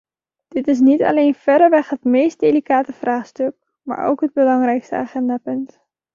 Dit is niet alleen verreweg het meest delicate vraagstuk, maar ook het belangrijkste agendapunt.